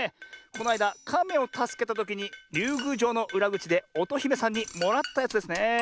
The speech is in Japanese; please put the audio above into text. このあいだかめをたすけたときにりゅうぐうじょうのうらぐちでおとひめさんにもらったやつですねえ。